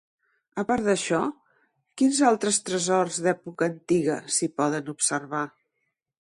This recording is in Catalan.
A part d'això, quins altres tresors d'època antiga s'hi poden observar?